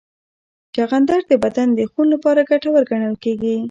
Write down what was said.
چغندر د بدن د خون لپاره ګټور ګڼل کېږي.